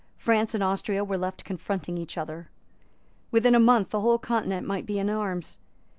France and Austria were left confronting each other. Within a month the whole Continent might be in arms.